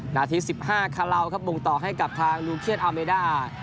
นาที๑๕คาลาวครับมุ่งต่อให้กับทางลูเคียนอาเมด้า